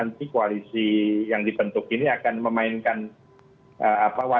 nah karena monster yang penuh berai nukavella